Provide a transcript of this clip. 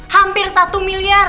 hampir satu miliar